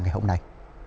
ngày hôm nay